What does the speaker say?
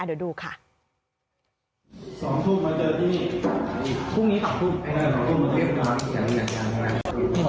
ชื่อทะบาล